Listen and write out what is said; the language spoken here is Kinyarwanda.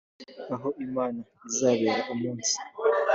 Aho inama izabera umunsi